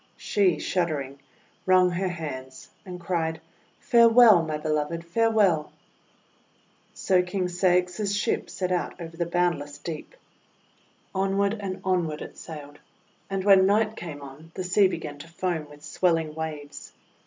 She, shuddering, wrung her hands and cried: — "Farewell! my Beloved, farewell!' So King Ceyx's ship set out over the boundless deep. Onward and onward it sailed; and when night came on the sea began to foam with swel ling waves.